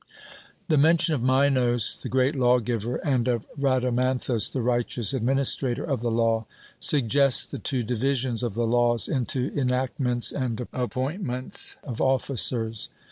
The mention of Minos the great lawgiver, and of Rhadamanthus the righteous administrator of the law, suggests the two divisions of the laws into enactments and appointments of officers.